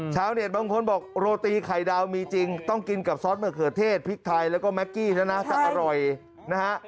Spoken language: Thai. บางคนบอกโรตีไข่ดาวมีจริงต้องกินกับซอสมะเขือเทศพริกไทยแล้วก็แก๊กกี้แล้วนะจะอร่อยนะฮะ